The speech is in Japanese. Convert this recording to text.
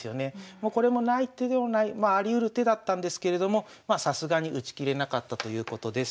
もうこれもない手でもないまあありうる手だったんですけれどもまあさすがに打ちきれなかったということです。